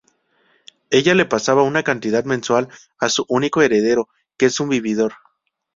Ella le pasa una cantidad mensual a su único heredero, que es un vividor.